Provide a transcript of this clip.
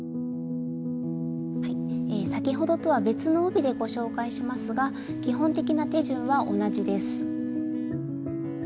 先ほどとは別の帯でご紹介しますが基本的な手順は同じです。